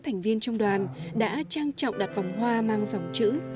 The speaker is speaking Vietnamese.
thành viên trong đoàn đã trang trọng đặt vòng hoa mang dòng chữ